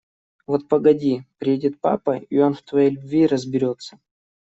Вот погоди, приедет папа, и он в твоей любви разберется.